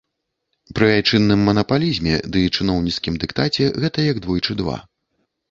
Пры айчынным манапалізме ды чыноўніцкім дыктаце гэта як двойчы два.